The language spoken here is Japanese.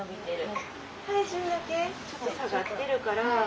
体重だけちょっと下がってるから。